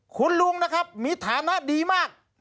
คุณลุงนะครับมีฐานะดีมาก